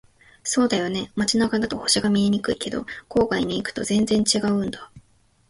そうだよね。街中だと星が見えにくいけど、郊外に行くと全然違うんだ。